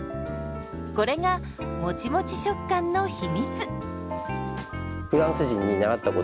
これがもちもち食感の秘密。